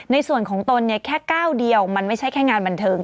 ในส่วนของตนเนี่ยแค่ก้าวเดียวมันไม่ใช่แค่งานบันเทิง